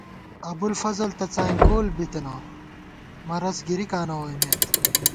ابُوالفضل تہ څائیں کول بِتَنہ ، مرض گِرِکاں نہ ووئیمېت